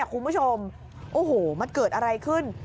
คุณผู้ชมโอ้โหมันเกิดอะไรขึ้น